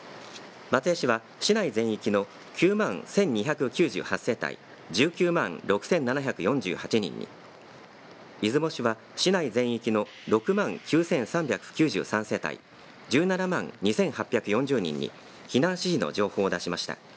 松江市は市内全域の９万１２９８世帯１９万６７４８人に、出雲市は市内全域の６万９３９３世帯１７万２８４０人に避難指示の情報を出しました。